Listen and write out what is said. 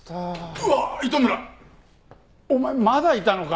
うわっ糸村。お前まだいたのか。